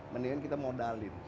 mendingan kita modalin